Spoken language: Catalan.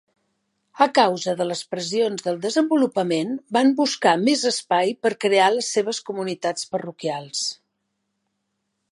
A causa de les pressions del desenvolupament, van buscar més espai per crear les seves comunitats parroquials.